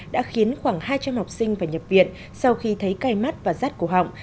đã khiến khoảng hai trăm linh học sinh và nhập viện sau khi thấy cây mắt và rắt của họng